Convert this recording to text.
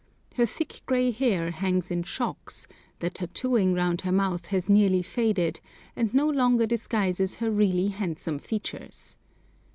Her thick, grey hair hangs in shocks, the tattooing round her mouth has nearly faded, and no longer disguises her really handsome features.